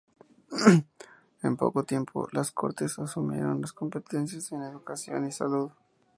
En poco tiempo, las cortes asumieron las competencias en educación y salud.